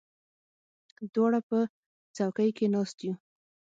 دواړه په څوکۍ کې ناست یو.